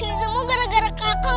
ini semua gara gara kaku